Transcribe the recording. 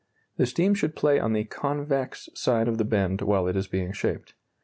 The steam should play on the convex side of the bend while it is being shaped.